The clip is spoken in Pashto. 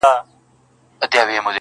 o کوټي ته درځمه گراني.